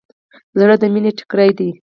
زړه د مینې ټیکری دی.